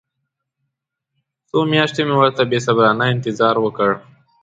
څو میاشتې مې ورته بې صبرانه انتظار وکړ.